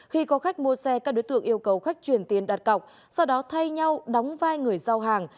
khi có khách mua xe các đối tượng yêu cầu khách chuyển tiền đặt cọc sau đó thay nhau đóng vai người giao hàng